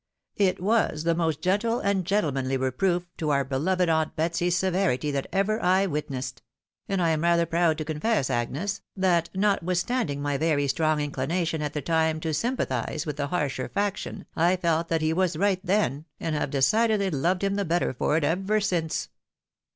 It was the most gentle and gentlemanly reproof to our beloved aunt Betsy's severity that ever I witnessed ; and I am rather proud to confess, Agnes, that notwithstanding my very strong inclination at the time to sympathise with the harsher faction, I felt that he was right then, and have decidedly loved hiTTi the better for it ever since."